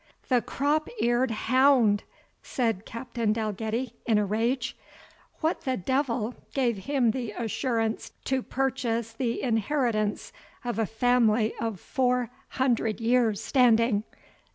"The crop eared hound!" said Captain Dalgetty, in a rage; "What the devil gave him the assurance to purchase the inheritance of a family of four hundred years standing?